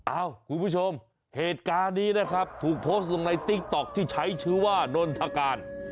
คุณผู้ชมเหตุการณ์นี้นะครับถูกโพสต์ลงในติ๊กต๊อกที่ใช้ชื่อว่านนทการ